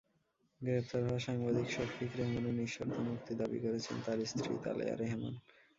গ্রেপ্তার হওয়া সাংবাদিক শফিক রেহমানের নিঃশর্ত মুক্তি দাবি করেছেন তাঁর স্ত্রী তালেয়া রেহমান।